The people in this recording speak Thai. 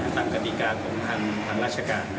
กฎิกาของทางราชการ